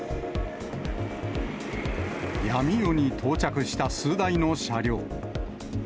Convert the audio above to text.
闇夜に到着した数台の車両。